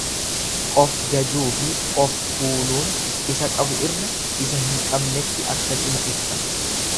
Of jajuufi of tuuluun isa qabu irra isa hin qabnetti akka cimu ibsa.